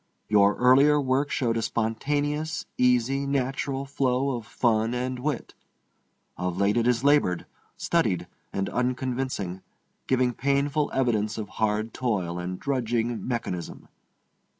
Your earlier work showed a spontaneous, easy, natural flow of fun and wit. Of late it is labored, studied, and unconvincing, giving painful evidence of hard toil and drudging mechanism.